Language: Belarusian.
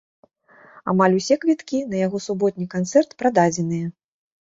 Амаль усе квіткі на яго суботні канцэрт прададзеныя.